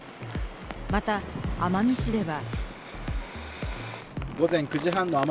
また奄美市では。